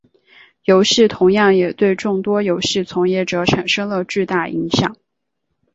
游戏同样也对众多游戏从业者产生了巨大影响。